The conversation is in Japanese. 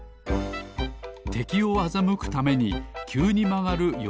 てきをあざむくためにきゅうにまがるよ